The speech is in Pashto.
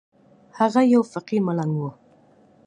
هغه يو فقير ملنگ و.